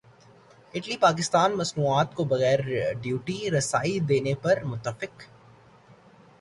Italy Pakistani مصنوعات کو بغیر ڈیوٹی رسائی دینے پر متفق